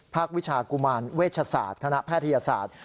วิชากุมารเวชศาสตร์คณะแพทยศาสตร์